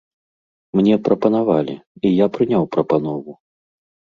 Мне прапанавалі, і я прыняў прапанову.